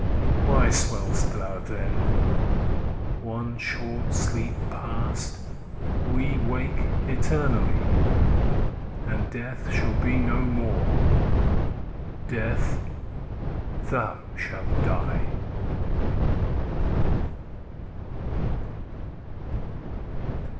Why swell'st thou then? One short sleep past, we wake eternally, And Death shall be no more: Death, thou shalt die!